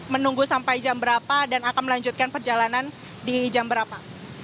menunggu sampai jam berapa dan akan melanjutkan perjalanan di jam berapa